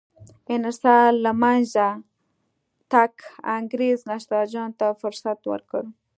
انحصار له منځه تګ انګرېز نساجانو ته فرصت ورکړ.